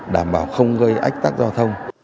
đảm bảo không gây ách tắc giao thông